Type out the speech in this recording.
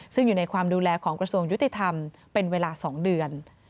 ซึ่งอยู่ในความดูแลของกระทรวงยุติธรรมเป็นเวลา๒เดือน